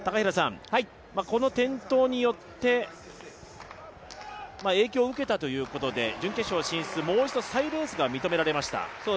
この転倒によって、影響を受けたということで準決勝進出再レースが認められました。